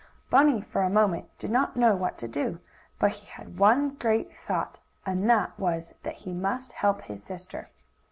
Bunny, for a moment, did not know what to do, but he had one great thought, and that was that he must help his sister.